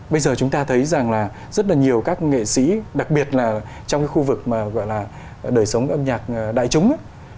bây giờ chúng ta thấy rằng là rất là nhiều các nghệ sĩ đặc biệt là trong cái khu vực mà gọi là đời sống âm nhạc đại chúng ấy